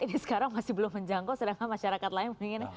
ini sekarang masih belum menjangkau sedangkan masyarakat lain mendingan